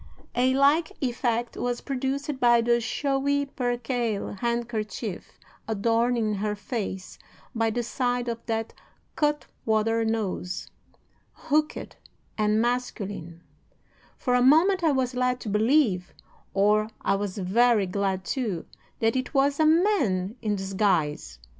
A like effect was produced by the showy percale handkerchief adorning her face by the side of that cut water nose, hooked and masculine; for a moment I was led to believe (or I was very glad to) that it was a man in disguise.